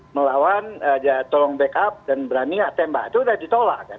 melawan tolong backup dan berani tembak itu sudah ditolak kan